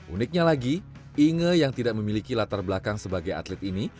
uniknya lagi inge yang tidak memiliki latar belakang sebagai atlet ini